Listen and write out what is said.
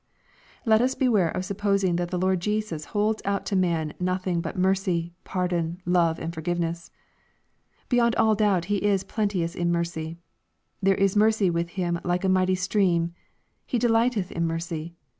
Let us beware of supposing that the Lord Jesus holds out to man nothing but mercy, pardon, love, and for giveness. Beyond all doubt He is plenteous in mercy. There is mercy with Him like a mighty stream. He " de lighteth in mercy."